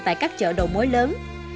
tại các chợ đầu mối lớn